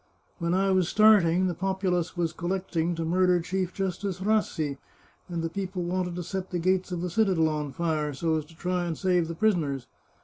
When I was starting, the populace was collecting to murder Chief Justice Rassi, and the people wanted to set the gates of the citadel on fire, so as to try and save the prisoners.